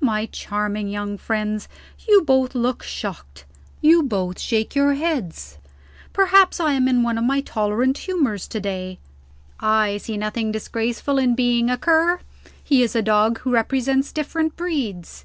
My charming young friends, you both look shocked; you both shake your heads. Perhaps I am in one of my tolerant humors to day; I see nothing disgraceful in being a Cur. He is a dog who represents different breeds.